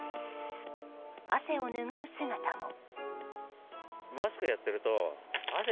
汗をぬぐう姿も。